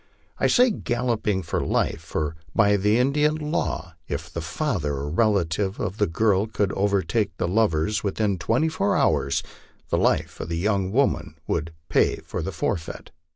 I say galloping for life, for by the Indian law, if the father or relatives of the girl could overtake the lovers within twen ty four hours, the life of the young woman would pay the forfeit.